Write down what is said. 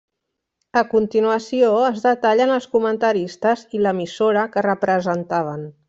A continuació es detallen els comentaristes i l'emissora que representaven.